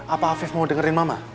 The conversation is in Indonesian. apa afif mau dengerin mama